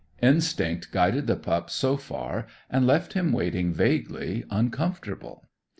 Instinct guided the pup so far, and left him waiting vaguely uncomfortable.